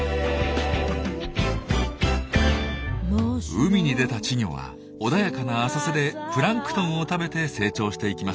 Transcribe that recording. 海に出た稚魚は穏やかな浅瀬でプランクトンを食べて成長していきます。